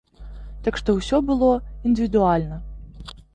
Так што ўсё было індывідуальна.